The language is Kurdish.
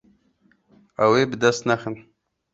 Ew ê bi dest nexin.